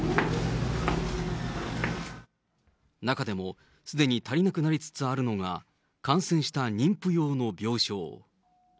中でも、すでに足りなくなりつつあるのが、感染した妊婦用の病床。